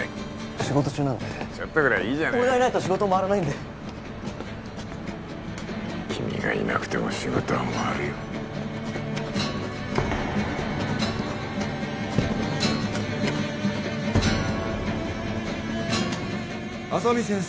仕事中なんでちょっとぐらい俺がいないと仕事回らないんで君がいなくても仕事は回るよ浅見先生